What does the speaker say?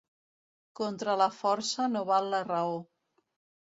Contra la força no val la raó.